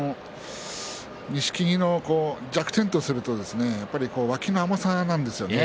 錦木の弱点とすると脇の甘さなんですよね。